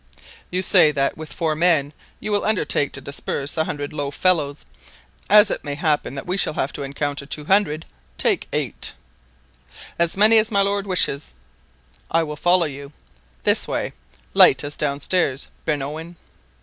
"You say that with four men you will undertake to disperse a hundred low fellows; as it may happen that we shall have to encounter two hundred, take eight——" "As many as my lord wishes." "I will follow you. This way—light us downstairs Bernouin."